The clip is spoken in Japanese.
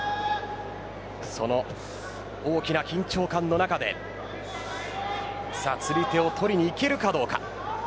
その大きな緊張感の中で釣り手を取りにいけるかどうか。